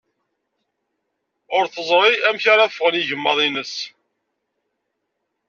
Ur teẓri amek ara ffɣen yigemmaḍ-ines.